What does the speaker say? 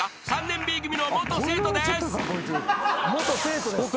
［３年Ｂ組の元生徒です］